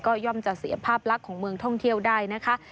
ก็ย่อมจะเสียภาพลักษณ์ของเมืองท่องเที่ยวได้นะคะ